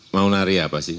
mau nari apa sih